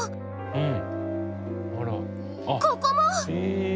うん？